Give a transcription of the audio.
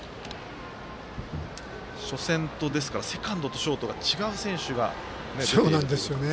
初戦とセカンドとショートが違う選手が出ているんですね。